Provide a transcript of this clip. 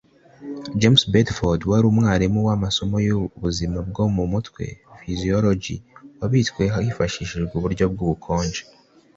James Bedford wari umwarimu w’amasomo y’ubuzima bwo mu mutwe (psychology) wabitswe hifashishijwe uburyo bw’ubukonje